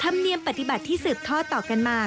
ธรรมเนียมปฏิบัติที่สืบทอดต่อกันมา